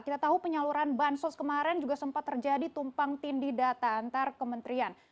kita tahu penyaluran bansos kemarin juga sempat terjadi tumpang tindih data antar kementerian